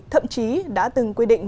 thậm chí đã từng quy định